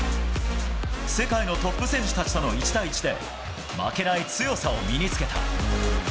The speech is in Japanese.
世界のトップ選手たちとの１対１で、負けない強さを身につけた。